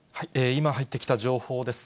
今、入ってきた情報です。